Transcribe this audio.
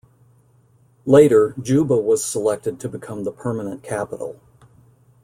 Later, Juba was selected to become the permanent capital.